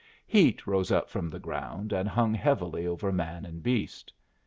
Heat rose up from the ground and hung heavily over man and beast.